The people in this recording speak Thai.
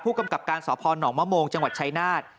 ผู้กำกับการสพหนมจังหวัดชัยนาฏ